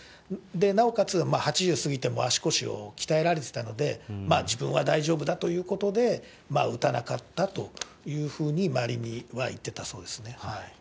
なおかつ、８０過ぎても足腰を鍛えられてたので、自分は大丈夫だということで、打たなかったというふうに周りには言ってたそうですね。